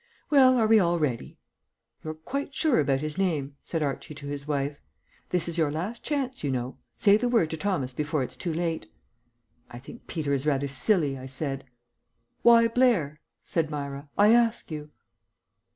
"Well, are we all ready?" "You're quite sure about his name?" said Archie to his wife. "This is your last chance, you know. Say the word to Thomas before it's too late." "I think Peter is rather silly," I said. "Why Blair?" said Myra. "I ask you."